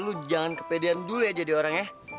lo jangan kepedean dulu ya jadi orang ya